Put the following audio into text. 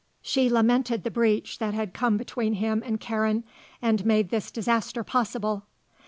She lamented the breach that had come between him and Karen and made this disaster possible.